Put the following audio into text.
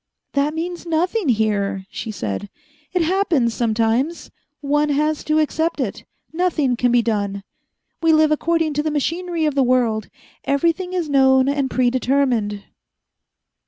"That means nothing here," she said. "It happens sometimes. One has to accept it. Nothing can be done. We live according to the machinery of the world. Everything is known and predetermined."